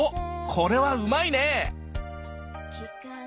これはうまいね！